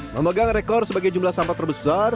memegang rekor sebagai jumlah sampah terbesar